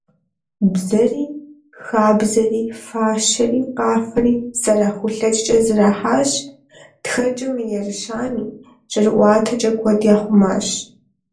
Бзэри, хабзэри, фащэри, къафэри зэрахулъэкӏкӏэ зэрахьащ, тхэнкӏэ мыерыщами, жьэрыӏуатэкӏэ куэд яхъумащ…